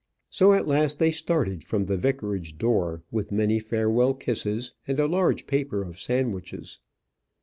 So at last they started from the vicarage door with many farewell kisses, and a large paper of sandwiches.